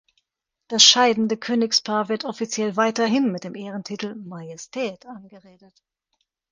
Das scheidende Königspaar wird offiziell weiterhin mit dem Ehrentitel „Majestät“ angeredet.